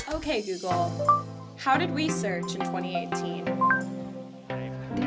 oke google bagaimana kita mencari di tahun dua ribu delapan belas